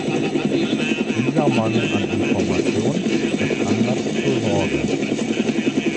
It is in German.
Dieser Mangel an Information gibt Anlass zur Sorge.